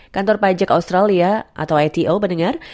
kantor pajak australia atau ito mendengar